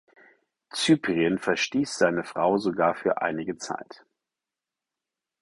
Cyprien verstieß seine Frau sogar für einige Zeit.